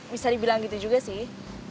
bisa dibilang gitu juga sih